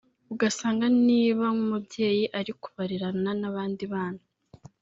ugasanga niba nk’umubyeyi ari kubarerana n’abandi bana